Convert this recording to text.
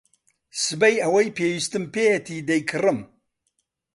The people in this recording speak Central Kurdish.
سبەی ئەوەی پێویستم پێیەتی دەیکڕم.